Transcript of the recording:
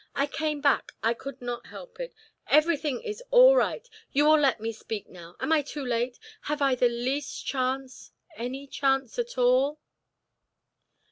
I came back I could not help it everything is all right you will let me speak now am I too late? Have I the least chance any chance at all?"